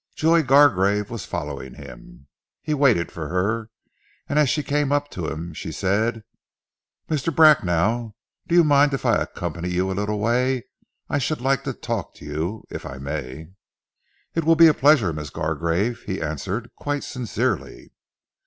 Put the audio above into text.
Joy Gargrave was following him. He waited for her, and as she came up to him she said, "Mr. Bracknell, do you mind if I accompany you a little way? I should like to talk to you if I may." "It will be a pleasure, Miss Gargrave," he answered quite sincerely.